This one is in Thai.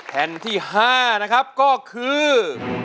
แผ่นที่๕นะครับก็คือ